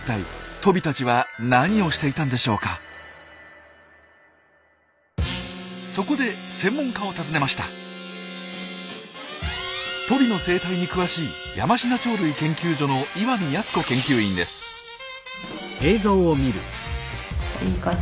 トビの生態に詳しい山階鳥類研究所の岩見恭子研究員です。